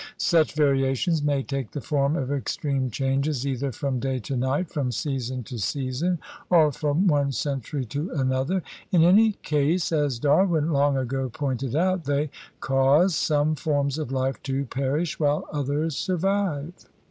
Such variations may take the form of extreme changes either from day to night, from season to season, or from one century to another. In any case, as Darwin long ago pointed out, they cause some forms of life to perish while others survive.